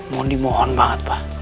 mondi mohon banget pak